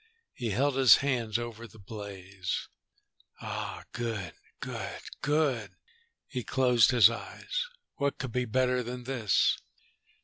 He held his hands over the blaze. "Ah, good, good. Good." He closed his eyes. "What could be better than this?"